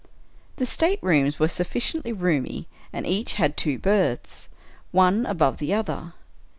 The staterooms were sufficiently roomy, and each had two berths, one above the other.